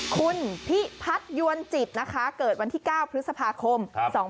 คุณพิพัฒนยวนจิตนะคะเกิดวันที่๙พฤษภาคม๒๕๖๒